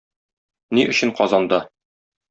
Ни өчен Казанда?